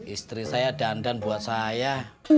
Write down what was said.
istri saya dandan buat saya